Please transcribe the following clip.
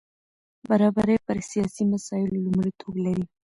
برابري پر سیاسي مسایلو لومړیتوب لري.